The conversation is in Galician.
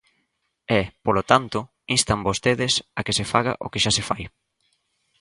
E, polo tanto, instan vostedes a que se faga o que xa se fai.